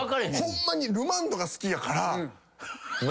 ホンマにルマンドが好きやから。